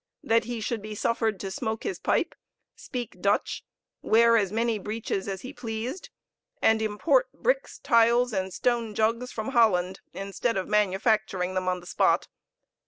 That he should be suffered to smoke his pipe, speak Dutch, wear as many beeches as he pleased, and import bricks, tiles, and stone jugs from Holland, instead of manufacturing them on the spot.